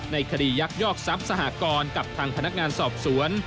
ในคดียักยอกทรัพย์สหกรณ์กับทางพนักงานสอบสวน